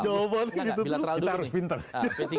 jawabannya gitu terus kita harus pinter